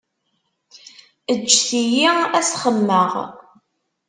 Ǧǧet-iyi ad s-xemmemeɣ.